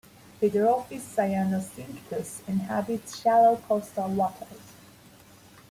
"Hydrophis cyanocinctus" inhabits shallow coastal waters.